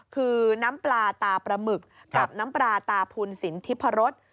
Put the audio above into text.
คือน้ำปลาตาปลาหมึกกับน้ำปลาตาพุนสินทิพรส